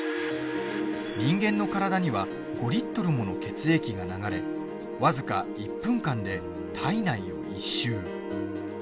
人間の体には５リットルもの血液が流れ僅か１分間で体内を１周。